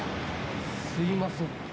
すいません。